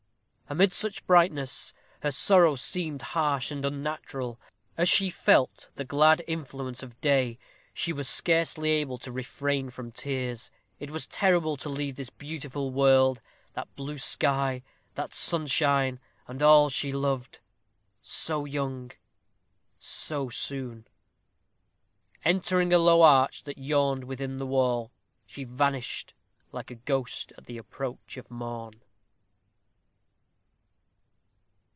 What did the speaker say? Amid such brightness, her sorrow seemed harsh and unnatural; as she felt the glad influence of day, she was scarcely able to refrain from tears. It was terrible to leave this beautiful world, that blue sky, that sunshine, and all she loved so young, so soon. Entering a low arch that yawned within the wall, she vanished like a ghost at the approach of morn.